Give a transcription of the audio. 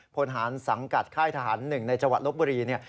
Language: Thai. พนฐานสังกัดค่ายทหารหนึ่งในจังหวัดลบบุรี